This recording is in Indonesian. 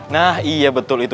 nah iya betul itu